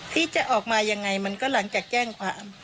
ที่จะออกมาอย่างไรก็หลังจากแจ้งความ